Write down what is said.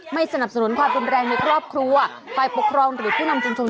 สนับสนุนความรุนแรงในครอบครัวฝ่ายปกครองหรือผู้นำชุมชน